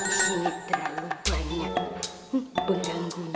di sini terlalu banyak beranggung